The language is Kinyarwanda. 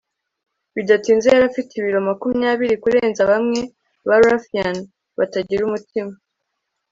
bidatinze yari afite ibiro makumyabiri kurenza bamwe ba ruffian batagira umutima